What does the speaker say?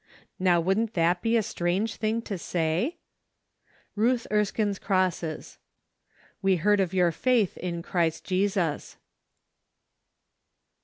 Now wouldn't that be a strange thing to say ? Ruth Erskine's Crosses. " We heard of your faith in Christ Jesus."